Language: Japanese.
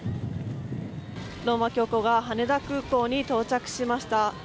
ローマ教皇が羽田空港に到着しました。